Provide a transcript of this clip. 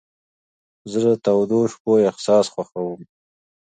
زه د تودو شپو احساس خوښوم.